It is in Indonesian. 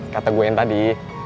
kata gue yang tadi